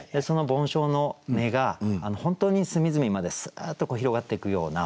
その梵鐘の音が本当に隅々まですーっと広がっていくような。